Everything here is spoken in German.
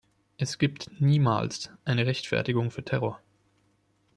Es gibt niemals eine Rechtfertigung für Terror.